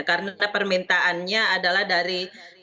karena permintaannya adalah dari